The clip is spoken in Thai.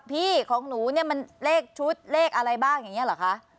พี่ของหนูมันเลขชุดเลขอะไรบ้างอย่างนี้หรือคะ